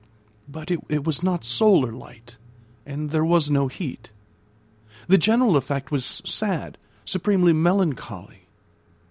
But it was not solar light, and there was no heat. The general effect was sad, supremely melancholy.